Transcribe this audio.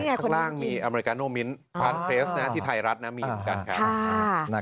ข้างล่างมีอเมริกาโนมิ้นพันเคสที่ไทยรัฐนะมีเหมือนกันครับ